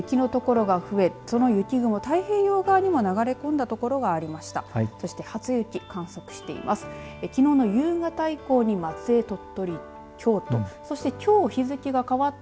雪の所が増えてその雪雲、太平洋側にも流れ込んだ所がありました。